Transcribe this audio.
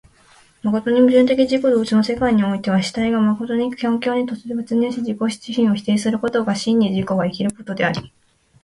真に矛盾的自己同一の世界においては、主体が真に環境に没入し自己自身を否定することが真に自己が生きることであり、